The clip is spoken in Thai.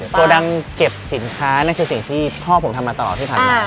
โกดังเก็บสินค้านั่นคือสิ่งที่พ่อผมทำมาตลอดที่ผ่านมา